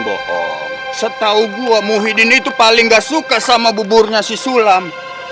bohong setahu gue muhyiddin itu paling gak suka sama buburnya si sulam